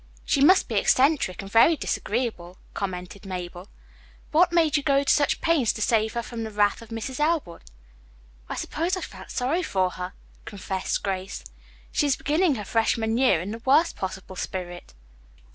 "She must be eccentric and very disagreeable," commented Mabel. "What made you go to such pains to save her from the wrath of Mrs. Elwood?" "I suppose I felt sorry for her," confessed Grace. "She is beginning her freshman year in the worst possible spirit.